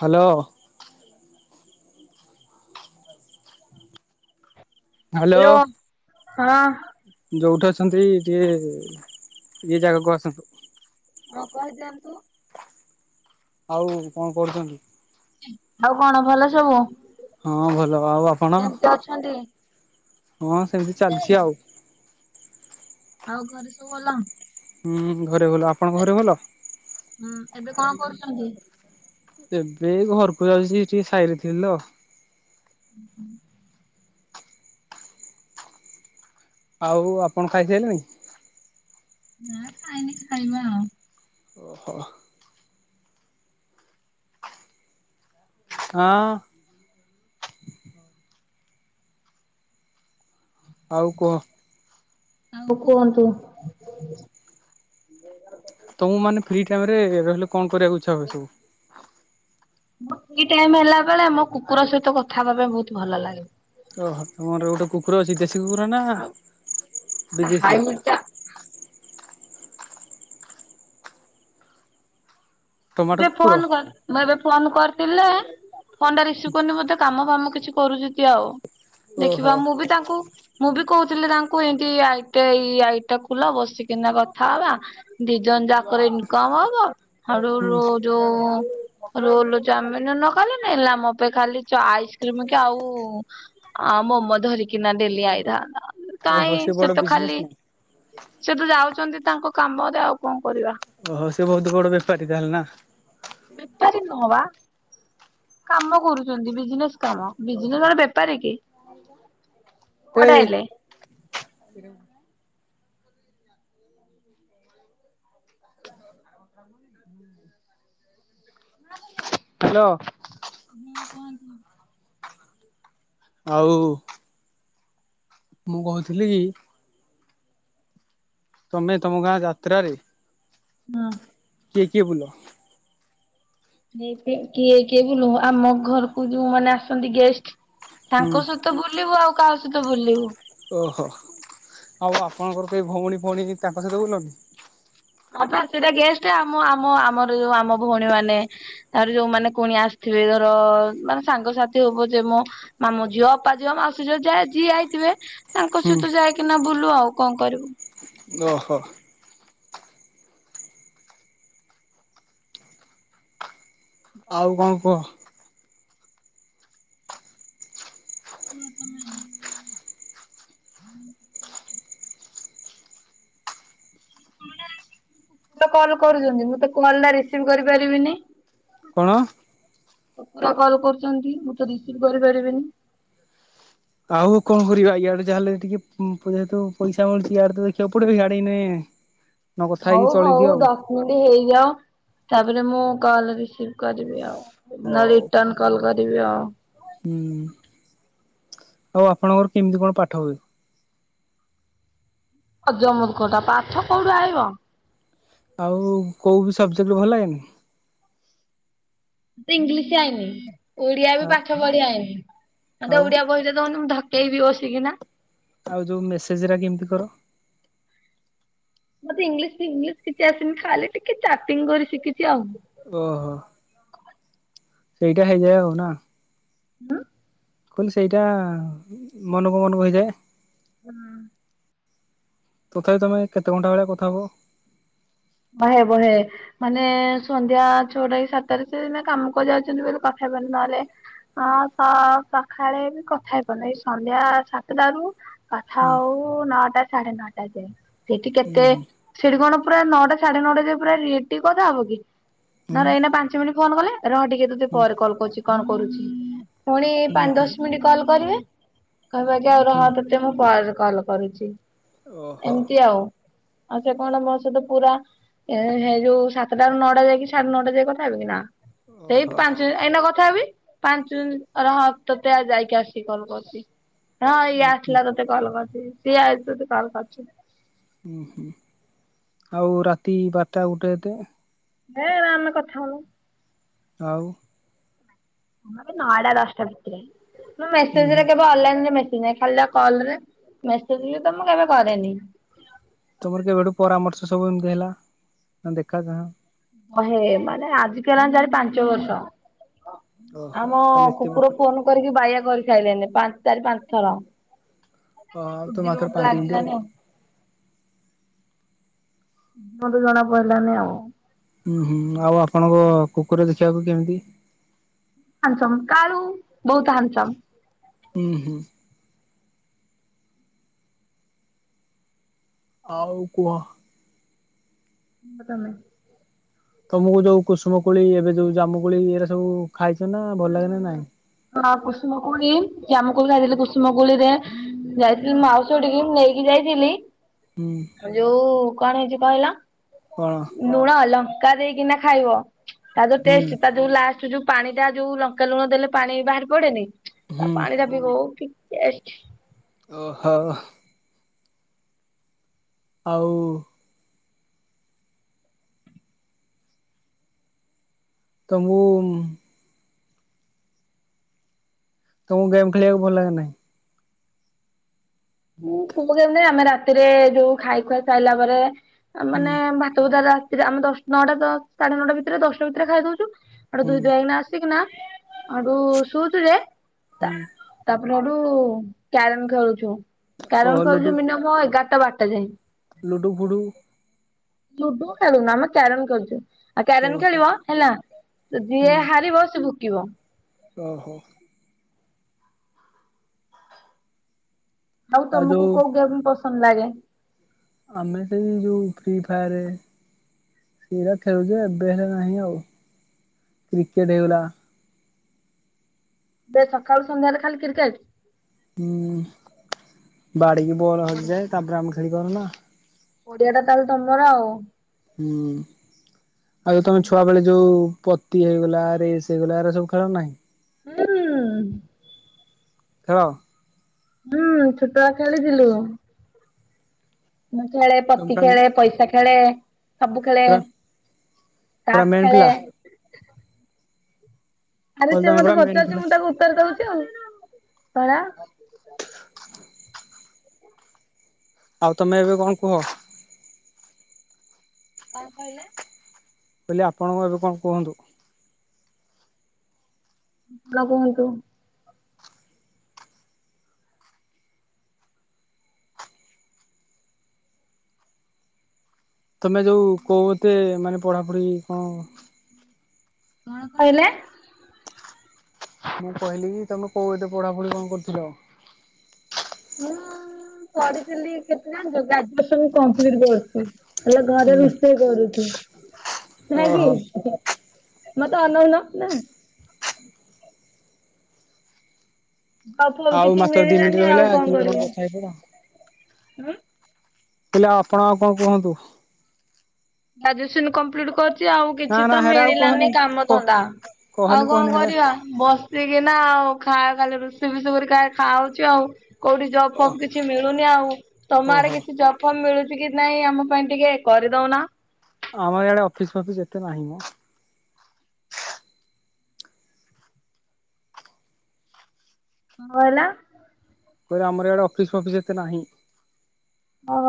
Hello. Hello ହଁ ଆଉ ଯୋଉଠି ଅଛି ଅଛନ୍ତି ଟିକେ ଇଏ ଜାଗାକୁ ଆସନ୍ତୁ। ଆଉ କହି ଦିଅନ୍ତୁ। ଆଉ କଣ କରୁଛନ୍ତି? ଆଉ କଣ ଭଲ ସବୁ? ହଁ ଭଲ ଆଉ ଆପଣ? କେମିତି ଅଛନ୍ତି? ହଁ ସେମିତି ଚାଲିଛି ଆଉ। ଆଉ ଘରେ ସବୁ ଭଲ? ହୁଁ ଘରେ ଭଲ ଆପଣଙ୍କ ଘରେ ଭଲ? ହୁଁ ଏବେ କଣ କରୁଛନ୍ତି? ଏବେ ଘରକୁ ଯାଉଛି ଟିକେ ସାଇରେ ଥିଲି ତ? ଉ ହୁଁ। ଆଉ ଆପଣ ଖାଇସାରିଲେଣି? ନା ଖାଇନି ଖାଇବା ଆଉ। ହଁ ହଁ। ହଉ କୁହ? ଆଉ କୁହନ୍ତୁ? ତମକୁ ମାନେ ଫ୍ରି ଟାଇମ ରେ ରହିଲେ କଣ କରିବାକୁ ଇଚ୍ଛା ହୁଏ ସବୁ? ସେଇ ଟାଇମ ହେଲା ବେଳେ ମୋ କୁକୁର ସହିତ କଥା ହେବା ପାଇଁ ବହୁତ ଭଲ ଲାଗେ। ଓହୋ ଆମର ଗୋଟେ କୁକୁର ଅଛି ଦେଶୀ କୁକୁର ନା ବିଦେଶୀ ଭାଇ ଟା। ଟମାଟୋ ଏବେ କୁକୁର? ଫୋନ କରି ମୁଁ ଏବେ ଫୋନ କରିଥିଲେ ଫୋନ୍ ଟା ରିସିଭ୍ କରୁନି ବୋଧେ କାମ ଫାମ କିଛି କରୁଛନ୍ତି ଆଉ ଓହୋ ଦେଖିବା ମୁଁ ବି ତାଙ୍କୁ ମୁଁ ବି କହୁଥିଲି ତାଙ୍କୁ ଏମତି ଆଇଟା ଏଇ ଆଇଟା ଖୋଲ ବସିକିନା କଥା ହବା ଦି ଜଣ ଯାକ ମୋର ଇନକମ୍ ହବ ହୁଁ ହେଇଠୁ ଯୋ ରୋଲ ଚାଉମିନ ନ ଖାଇଲେ ନାଇଁ ମୋ ପାଇଁ ଖାଲି ଚାଉ ଆଇସ୍କ୍ରିମ କି ଆଉ ଆଁ ମୋମ ଧରିକି। ଡେଲି ଆଇଥାନ୍ତା ଓହୋ କାହିଁ ବଡ ସେ ତ ବିଜନେସ ଖାଲି ମ୍ୟାନ ସେ ତ ଯାଉଛନ୍ତି ତାଙ୍କ କାମ ଦେ ଆଉ କଣ କରିବା। ଓହୋ ସେ ବହୁତ ବଡ ବେପାରୀ ତାହେଲେ ନା? ବେପାରୀ ନୂହଁବା। କାମ କରୁଛନ୍ତି ବିଜନେସ କାମ ବିଜନେସେ ବେପାରୀ କି? କୁଆଡେ ସେଇ। ଆଇଲେ? ହ। ହ୍ୟାଲୋ। ହୁଁ କହନ୍ତୁ। ଆଉ। ମୁଁ କହୁଥିଲି କି ତମେ ତମ ଗାଁ ଯାତ୍ରାରେ ହଁ। କିଏ କିଏ ବୁଲ? କିଏ କିଏ ବୁଲୁ ଆମ ଘରକୁ ଯୋଉ ମାନ ଆସନ୍ତି ଗେଷ୍ଟ। ହୁଁ ତାଙ୍କ ସହିତ ବୁଲିବୁ ଆଉ କାହା ସହିତ ବୁଲିବୁ। ଓହୋ ଆଉ ଆପଣଙ୍କର କେହି ଭଉଣୀ ଭଉଣୀ ତାଙ୍କ ସହିତ ବୁଲନି। ସେଇଟା ଗେଷ୍ଟ ଆମ ଆମ ଆମର ଯୋଉ ଆମ ଭଉଣୀ ମାନେ ଆ ଯୋଉମାନୋନ ପୁଣି ଆସିଥିବେ ର ମାନେ ସାଙ୍ଗସାଥି ହୋଉ ପଛେ ମୁଁ ମାମୁ ଝିଅ ଅପା ଝିଅ ମାଉସୀ ଝିଅ ଯା ଯିଏ ଆଇଥିବେ ତାଙ୍କ ହୁଁ ସହିତ ଯାଇକିନା ବୁଲୁ ଆଉ କଣ କରିବୁ। ଓହୋ। ଆଉ କଣ କୁହ? ପ ତମେ ଆଉ। ହୁଁ। କଲ କରୁଛନ୍ତି ମୁଁ ତ କଲ ଟା ରିସିଭି କରିପାରିବିନି। କଣ? କଲ କରୁଛନ୍ତି ମୁଁ ତ ରିସିବି କରିପାରିବିନି। ଆଉଉ କଣ କରିବା ୟଆାଡେ ଯାହାେଲେ ଟିକେ ଯେହେତୁ ପଇସା ମିଳଛି ଇଆଡେ ଦେଖିବା ପଡେ ବି ଗାଡିନେ ହ ହଉ ହଉ ଦଶ ମିନିଟ ହେଇଯାାଉ ତାପରେ ମୁଁ କଲ ରିସିଭ କରିବି ଆଉ। ନା ହଉ। ରିଟର୍ଣ କଲ କରିବି ଆଉ। ହୁଁ ଆଉ ଆପଣଙ୍କର କେମିତି କଣ ପାଠ ହୁଏ? ଜମୁତ କଟା ପାଠ କୋଉଠୁ ଆଇିବ। ଆଉ କୋଉ ବି ସବଜେକ୍ଟଟେ ଭଲ ଲାଗେନି? ମତେ ଇଂଲିଶ ଆଇନି। ଓଡିଆ ବି ଆଉ ପାଠ ପଢିଆନି ମତେ ଆଉ ଓଡିଆ ବହିଟେ ଦାଉ ନ ମୁଁ ଧକେଇବି ବସିକିନା। ଆଉ ଯୋଉ ମେସେଜ ଗିରା କେମିତି କର। ମତେ ଇଂଲିଶ ଫିଂଲିସ କିଛି ଆସିନି ଖାଲି ଟିକେ ଚାର୍ଟିଂ କରି ସିକିଚି ଓହୋ ସେଇଟା ହେଇଯାଏ ଆଉ ନା? ହଁ। କିଲ ସେଇଟା ମନକୁ ମନ ବହିଯାଏ। ହୁଁ। ତଥାପି ତମେ କେତେ ଘଣ୍ଟା ବେଳେଆ କଥା ହୁଅ। ବହେ ବହେ ମାନେ ସନ୍ଧ୍ୟା ଛଅଟା କି ସାତଟାରେ ସେନା କାମ କରି ଯାଉଛନ୍ତି ବୋଲିୋଇିଲ ପାଖ ଯଦି ନହେଲେ। ହଁ ସ ସକାଳେ ବି କଥା ହେଇପାରୁନି ଏଇ ସନ୍ଧ୍ୟା ସାତଟାରୁ କଥା ହୁଁ ଆଉ ନଅଟା ସାଢେ ନଅଟା ଯାଏ ସେଠି କେତେ ହୁଁ ସେଠି କଣ ପୁର ନଅଟା ସାଢେ ନଅଟ ଦ ପୁରା ରେ କଥା ହବ କି ହୁଁ ନ ଏଇନା ପାଞ୍ଚ ମିନିଟ୍ ଫୋନ କଲେ। ର ହଁ ଟିକେ ତତେ ହୁଁ ପରେ କଲ୍ କରୁଛି କଣ କରୁଛିୁ ପୁଣି ହୁଁ ପାଞ୍ଚ ହୁଁ ଦଶ ମିନିଟ୍ କଲ୍ କରିବେ କହିବାକ ଆଉ ହୁଁ। ହ ତତେ ମୁଁ କଲ କରୁଛି ଓହୋ ଏମିତି ଆଉ। ଆଛା କଣ ମୋସ ତ ପୁରା ସେଇ ଯୋଉ ସାତଟ ର ନଅଟା ଯାଇକି ସାଢେ ନଅଟା ଯାଇକ କଥା ହେବ କିି ନା ସେଇ ଓହୋ। ପାଞ୍ଚ ଏଇନା କଥା ତଥାପି ପାଞ୍ଚ ଦିନ ହାତ ଯାଇକି ଆସିିକ କଲ କର୍ଚି। ହଁ ଇଏ ହୁଁ ହୁଁ। ଆସିଲା ତୋତେ କଲ କରିଛି ସଇଏ ଆ କଲ କରିଛି। ହୁଁ ହୁଁ ଆଉ ରାତି ବାରଟା ଗୋଟେ ଏତେ ହେ ନା ଆେ କଥା ହଲ ଆଉ ନଅଟା ଦଶଟା ଭିତରେ ହୁଁ ମେସେଜରେ ହୁଁ। କେ ଅନଲାଇନ ଦିନେ ଖାଲି କଲରେ ମେସେଜ ବି ତ ମୁଁ କେବେ କରେନି। ତମର କେବେଠୁ ପରାମର୍ଶ ସବୁ ଏମତି ହେଲା ନା ଦେଖା ଚିହ୍ନା ହେ ମାନେ ଆଜିକା ଜାଡ ପାଞ୍ଚ ବର୍ଷ। ଓହୋ ଆମ ତାହେଲେ ଏତେ ବର୍ଷ କୁକୁର ପୁଅନ କରିକି ବାହଆ କରି ଖାଇଲେ ପାଞ୍ଚ ଚାରି ପାଞ୍ଚ ଥର। ଓ ଆଉ ଉଦିନ ମାତ୍ର ମ ତ ପାଞ୍ଚ ମିନିଟ୍ ଲାଗିଲ ଆଉ। ନାଇ ମୁ ତୁ ଯଣ ପିଲନ ଆଉ। ହୁଁ ହୁଁ ଆଉ ଆପଣଙ୍କ କୁକୁର ଦେଖିବାକୁ କେମିତି? ହାନସମ କାୁଲୁ ବହୁତ ହାନସମ। ହୁଁ ହୁଁ। ଆଉ କୁହ। ହ ତମେ ତମକୁ ଯୋଉ କୁସୁମ କୋଳି ଏବେ ଯୋଉ ଜାମୁ କୋଳି ଏଇରେ ସବୁ ଖାଇଛ ନା ଭଲ ହୁଁ ଲାଗେ ହୁଁ ନା ନାଇଁ? ହୁଁ ହଁ କୁସୁମ କୋଳି ଜ୍ୟାମକୋଳି ଖାଇଦଲେ କୁସୁମ କୋଳିରେ ଯାଇଥିଲି ମାଉସ ଟିକି ମୁ ନେଇକି ଯାଇଥିଲି ହୁଁ। ଯୋଉ କଣ ହେଇଛି କହିଲ କଣ ଲୁଣ ଲଙ୍କା ଦେଇକିନା ଖାଇବ। ତା ଯୋଉ ହୁଁ ଟେଷ୍ଟ ତା ଯୋଉ ଲାଷ୍ଟ ଯୋଉ ପାଣି ଟା ଯୋଉ ଲଙ୍କା ଲୁଣ ଦେଲେ ପାଣି ବାହାରି ପଡେନି ହୁଁ ତା ପାଣି ଟା ପିଇବ ଓ କି ଟେଷ୍ଟ। ଓହୋ। ଆଉ ତମୁଁ ତମକୁ ଗେମ୍ ଖେଳିବାକୁ ଭଲ ଲାଗେ ନା ନାଇ ପୁ କେମିତି ଆମେ ରାତିରେ ଯୋଉ ଖାଇ ଖୁଆ ସାଇଲା ପରେ ହୁଁ ମାନେ ଭାତ ଭଜା ରାତିଥିଲେ ଆମେ ଦଶ ନଅଟା ଦଶ ସାଢେ ନଅଟା ଭିତରେ ଦଶଟା ଭିତରେ ଖାଇଦଉଛୁ। ଆଡୁ ହୁଁ ଧୁଇ ଧୁଆ କିନା ଆସିକିନା ଆଡୁ ଶୁଛୁଯେ ହୁଁ ଆ ରୁ କ୍ୟାରମ ଖେଳୁଛୁ ଓହୋ କ୍ୟାରମ ଲୁଡୁ ଖେଳୁଛୁ ମିନିମମ ଏଗାରଟା ବାରଟା ଯାଏ। ଲୁଡୁ ଫୁଡୁ ଲୁଡୁ ଖେଳୁନା ଆମେ କ୍ୟରମ ଖେଳୁଛୁ। ଆଉ କ୍ୟାରମ ଓହୋ ଖେଳିବ ହେଲା ହୁଁ ଯିଏ ହାରିବ ସେ ଭୁକିବ। ଓହୋ। ଆଉ ତମକୁ କୋଉ ଗେମ୍ ପସନ୍ଦ ଲାଗେ। ଆମେ ସେଇ ଯୋଉ ଫ୍ରି ଫାୟାରରେ ସେଗା ଖେଳୁଯେ ଏବେ ନାହିଁ ଆଉ କ୍ରିକେଟ ହେଇଗଲା। ସେ ସକାଳୁ ସନ୍ଧ୍ୟାରେ ଖାଲି କ୍ରିକେଟ। ହୁଁ ବାଡିିକି ବଲ ହଜିଯାଏ ତାପରେ ଆମେ ଖେଳି ପରୁନା। ପଡିଆ ଟା ତାହେଲେ ତମର ଆଉ। ହୁଁ ଆଉ ଯଉ ତମେ ଛୁଆ ବେଳେ ଯୋଉ ପତି ହେଇଗଲା ରେସ ହେଇଗଲା ଏ ସବୁ ଖେଳ ନା। ହୁଁ। ଖେଳ? ହୁଁ ଛୋଟଆ ଖେଳିଥିଲୁ। ମୁଁ ଖେଳେ, ତମେ ପତି ପୁରା ଖେଳେ, ପଇସା ଖେଳେ। ସବୁ ଖେଳେ ପୁରା ପୁରା ତାସ ମେନ୍ ଖେଳେ। ପିଲା? ଆରେ କହିଲି ସେ ତମେ ମତେ ପୁରା ମେନ୍ ପଚାରୁଛି ପିଲା ମୁଁ ତାକୁ ଉତ୍ତର ଦଉଛି ଆଉ, କଣ? ଆଉ ତମେ ଏବେ କଣ କୁହ? କଣ କହିଲେ? କହିଲି ଆପଣଙ୍କୁ ଏବେ କଣ କୁହନ୍ତୁ? ଆପଣ କୁହନ୍ତୁ। ତମେ ଯୋଉ କହୁତେ ମାନେ ପଢ଼ାପଢ଼ି କଣ କଣ କହିଲେ? ମୁଁ କହିଲି କି ତମେ କୋଉ ଏତେ ପଢାପଢି କଣ କରୁଥିଲ? ମୁଁ ପଢିଥିଲି କେତେ ଜାଣିଚ ଗ୍ରାଜୁଏସନ କମ୍ପ୍ଲିଟ କରଚି। ହେଲେ ଘରେ ହୁଁ ରୋଷେଇ କରୁଛି, ନାହିଁ ଓହୋ କି। ମତେ ଅନଉନ ନା। ଆଗକୁ ଆଉ କିଛି ମାତ୍ର ଦି ମିନିଟ୍ ମିଳିଲାନି ରହିଲା ଆଉ କଣ କେମିତି କରିବୁ? କଥା ହେଇପଡ଼। ହେଲେ ଆପଣ ଆଉ କଣ କୁହନ୍ତୁ? ଗ୍ରାଜୁଏସନ କମ୍ପ୍ଲିଟ କରଚି, ଆଉ ନା କିଛି ନା ତ ହେରା ଆଉ ମିଳିଲାନି କହନି କାମ କ ଧନ୍ଦା। କହନି ଆଉ କହନି କଣ ହେରା। କରିବା ବସିକିନା ଆଉ। ଖା ଖାଲି ରୋଷେଇ ବାସ କରିକୁ ଖାଲି ଖାଉଚି ଆଉ। କୋଉଠି ଜବ୍ ଓ ଫବ୍ କିଛି ମିଳୁନି ଆଉ ତମଆଡେ ଓହୋ କିଛି ଜବ୍ ଫବ୍ ମିଳୁ ଚି କି ନାଇଁ ଆମ ପାଇଁ ଟିକେ କରି ଦଉନ। ଆମର ଆଡେ ଅଫିସ ଫଫିସ ଏତେ ନାହିଁ ମ। କଁ ହେଲା? କହିଲି ଆମର ଆଡେ ଅଫିସ ଫଫିସ ଏତେ ନାହିଁ। ଅ ହ।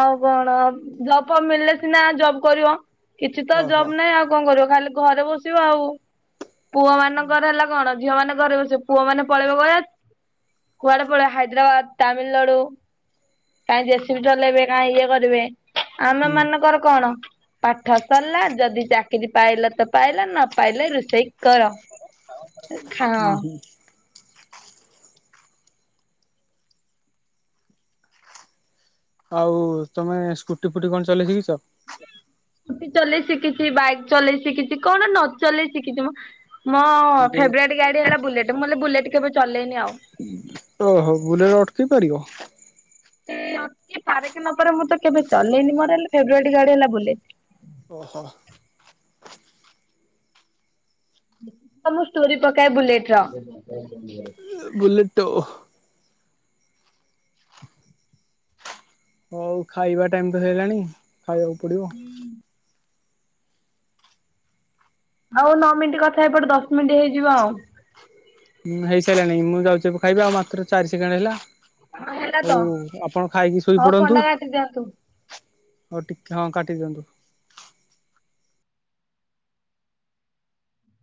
ଆଉ କଣ ଜବ ଫବ ମିଳିଲେ ସିନା ଜବ୍ କରିବ। କିଛି ତ ଓହୋ। ଜବ ନାହିଁ ଆଉ କଣ କରିବ, ଖାଲି ଘରେ ବସିବ ଆଉ। ପୁଅ ମାନଙ୍କର ହେଲା କଣ ଝିଅ ମାନେ ଘରେ ବସିବେ ପୁଅ ମାନେ ପଳେଇବେ କୁଆଡେ ପଳେଇବେ ହାଇଦ୍ରାବାଦ ତାମିଲନାଡୁ। [unintelligible] ଜଲେଇବେ ନା ଇଏ କରିବେ ଆମ ହୁଁ ମାନଙ୍କର କଣ ପାଠ ସରିଲା ଯଦି ଚାକିରି ପାଇଲ ତ ପାଇଲ ନ ପାଇଲେ ରୋଷେଇ କର। ହୁଁ [unintelligible] ହୁଁ ଆଉ ତମେ ସ୍କୁଟି ଫୁଟି କଣ ଚଲେଇ ଶିଖିଛ? ସ୍କୁଟି ଚଲେଇ ଶିଖିଚି, ବାଇକ୍ ଚଲେଇ ଶିଖିଚି କଣ ନ ଚଲେଇ ଶିଖିଚି ମ। ମୋ ଯୋଉ ଫେବରାଇଟ୍ ଗାଡି ହେଲା ବୁଲେଟ, ମୁଁ ବଲେ ବୁଲେଟ କେବେ ଚଲେଇନି ଆଉ। ଓହୋ ବୁଲେଟ ଅଟକେଇ ପାରିବ। [inaudible] ପାରେ କି ନପାରେ ମୁଁ ତ କେବେ ଚଲେଇନି ମୋର ହେଲେ ଫେବରାଇଟ ଗାଡି ହେଲା ବୁଲେଟ। ଓହୋ। ହଁ ମୁଁ ଷ୍ଟୋରି ପକାଏ ବୁଲେଟ ର। ବୁଲେଟୋ। ହଉ ଖାଇବା ଟାଇମ ତ ହେଇ ଗଲାଣି, ଖାଇବାକୁ ପଡିବ। ଆଉ ନଅ ମିନିଟ କଥା ହେଇପଡ ଦଶ ମିନିଟ୍ ହେଇଯିବ ଆଉ। ହେଇ ସାରିଲାଣି, ମୁଁ ଯାଉଛି ଏବେ ଖାଇବି ଆଉ ମାତ୍ର ଚାରି ସେକେଣ୍ଡ ରହିଲା। ହଁ ହେଲା ତ ହଉ ଆପଣ ଖାଇକି ଶୋଇ ହଉ ଫୋନ୍ ପଡନ୍ତୁ। ଟା କାଟି ଦିଅନ୍ତୁ। ହଉ ଟିକେ ହଁ କାଟି ଦିଅନ୍ତୁ।